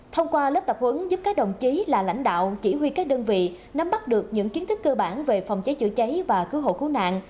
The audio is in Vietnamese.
thông qua lớp tập huấn giúp các đồng chí là lãnh đạo chỉ huy các đơn vị nắm bắt được những kiến thức cơ bản về phòng cháy chữa cháy và cứu hộ cứu nạn